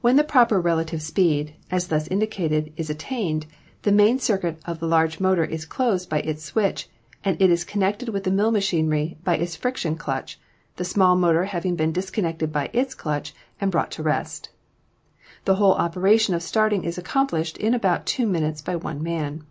When the proper relative speed, as thus indicated, is attained, the main circuit of the large motor is closed by its switch and it is connected with the mill machinery by its friction clutch, the small motor hav ing been disconnected by its clutch and brought to rest. The whole operation of starting is accomplished in about two minutes by one man.